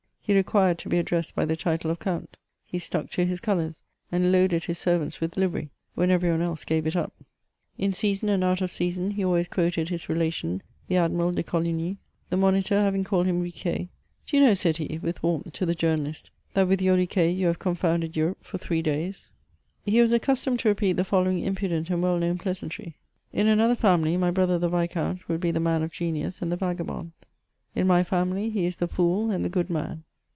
He required to be addressed by the title of count ; he stuck to his colours, and k>aded his servants with livery when every one else gave it up. In season and out of season he always quoted his relation, the Admiral de Coligny. The Moniteur havmg called. him Riquet— <•Do you know," said he, with warmth to the journalist, " that with your Riquet you have confounded Europe for three days r He was accustomed to repeat the following impudent and well known pleasantry :—*' In another family my brother the viscount would be the man of gfenius and the va&rabond : in my family he is the fool and the gotlman."